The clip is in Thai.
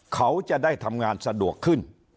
เขาจะได้ทำงานสะดวกขึ้น